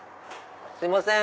すいません！